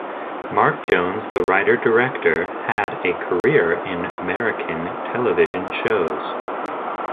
Mark Jones, the writer-director, had a career in American television shows.